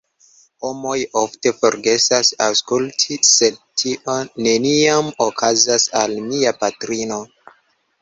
Homoj ofte forgesas aŭskulti sed tio neniam okazas al mia patrino.